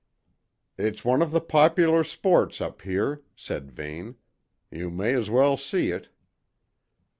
"It's one of the popular sports up here," said Vane. "You may as well see it."